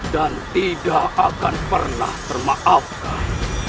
dan tidak akan pernah termaafkan